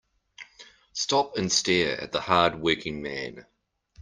Stop and stare at the hard working man.